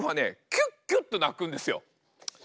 キュッキュッと鳴くんですよ。